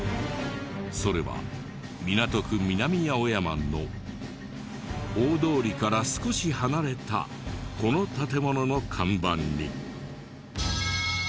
それは港区南青山の大通りから少し離れたこの建物の看板に。